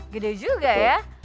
gede juga ya